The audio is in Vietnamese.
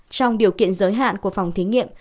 trong điều kiện giới hạn của phòng thí nghiệm